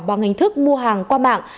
bằng hình thức mua hàng qua mạng